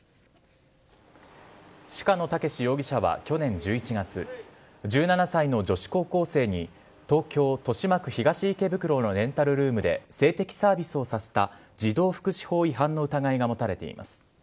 鹿野健容疑者は去年１１月、１７歳の女子高校生に、東京・豊島区東池袋のレンタルルームで性的サービスをさせた児童福祉法違反の疑いが持たれています。